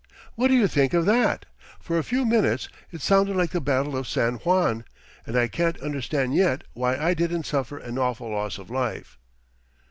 What do you think of that? For a few minutes it sounded like the battle of San Juan, and I can't understand yet why I didn't suffer an awful loss of life."